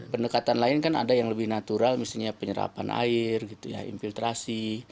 pendekatan lain kan ada yang lebih natural misalnya penyerapan air gitu ya infiltrasi